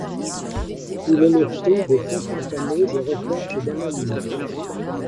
Il est le fruit de cinquante années de recherches et d'analyses.